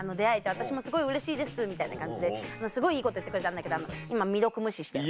私もうれしいです」みたいな感じでいいこと言ってくれたんだけど今未読無視してる。